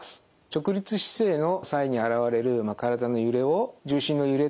直立姿勢の際に現れる体の揺れを重心の揺れとして捉える検査です。